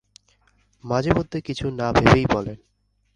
মাঝে মধ্যে কিছু না ভেবেই বলেন।